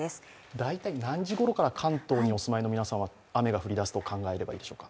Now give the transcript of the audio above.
大体何時ごろから関東にお住まいの皆さんは雨が降りだすと考えればいいですか？